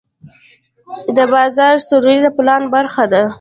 د بازار سروې د پلان برخه ده.